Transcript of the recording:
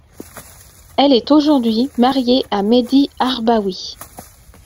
Elle est aujourd'hui mariée à Mehdi Harbaoui.